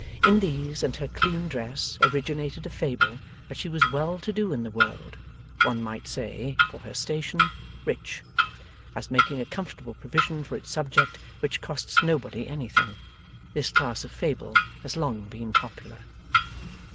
In these and her clean dress originated a fable that she was well to do in the world: one might say, for her station, rich. As making a comfortable provision for its subject which costs nobody anything, this class of fable has long been popular.